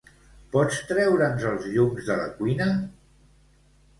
Pots treure'ns els llums de la cuina?